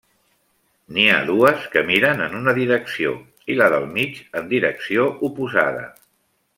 N'hi ha dues que miren en una direcció i la del mig en direcció oposada.